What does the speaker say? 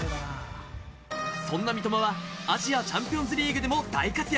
そんな三笘はアジアチャンピオンズリーグでも大活躍。